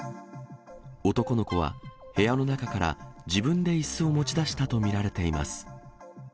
男の子は部屋の中から、自分でいすを持ち出したと見られています。